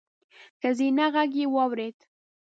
ښځينه غږ يې واورېد: